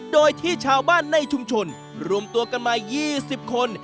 โดยที่ชาวบ้านในชุมชนรวมตัวกันมา๒๐คน